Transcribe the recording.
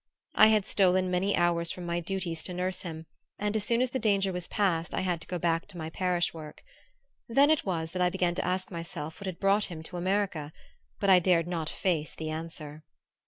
I had stolen many hours from my duties to nurse him; and as soon as the danger was past I had to go back to my parish work. Then it was that I began to ask myself what had brought him to America; but I dared not face the answer.